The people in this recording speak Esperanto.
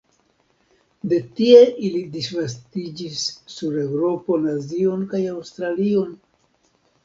De tie ili disvastiĝis sur Eŭropon, Azion kaj Aŭstralion.